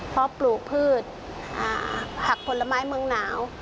เพราะปลูกพืชผักผลไม้เมืองหนาว